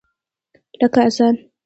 لکه اذان !